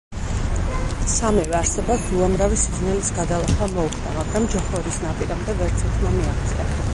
სამივე არსებას უამრავი სიძნელის გადალახვა მოუხდა, მაგრამ ჯოჰორის ნაპირამდე ვერცერთმა მიაღწია.